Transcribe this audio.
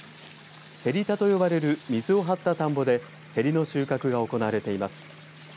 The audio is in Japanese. せり田と呼ばれる水を張った田んぼでせりの収穫が行われています。